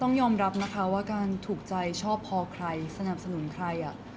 ต้องยอมรับนะคะว่าการถูกใจชอบพอใครสนับสนุนใคร